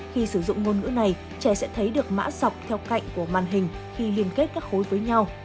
khi sử dụng ngôn ngữ này trẻ sẽ thấy được mã dọc theo cạnh của màn hình khi liên kết các khối với nhau